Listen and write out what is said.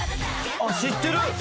「あっ知ってる！」